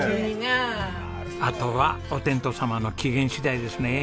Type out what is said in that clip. あとはお天道様の機嫌次第ですね。